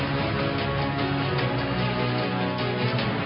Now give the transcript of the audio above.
ก็ได้มีการอภิปรายในภาคของท่านประธานที่กรกครับ